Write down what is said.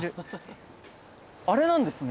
あれなんですね